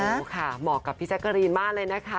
โหค่ะเหมาะกับพี่แซคการีนมากเลยนะคะ